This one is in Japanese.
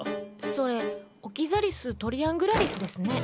それオキザリス・トリアングラリスですね。